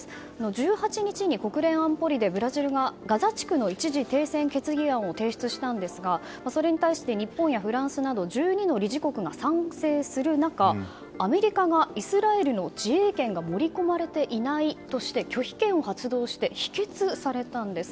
１８日に国連安保理でブラジルがガザ地区の一時停戦決議案を提出したんですがそれに対して日本やフランスなど１２の理事国が賛成する中アメリカがイスラエルの自衛権が盛り込まれていないとして拒否権を発動して否決されたんです。